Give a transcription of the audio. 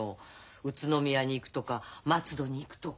宇都宮に行くとか松戸に行くとか。